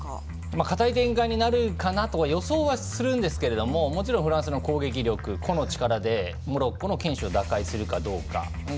堅い展開になるかなと予想はするんですが、もちろんフランスの攻撃力、個の力でモロッコの堅守を打開するかどうか。